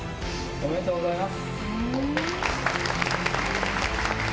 おめでとうございます。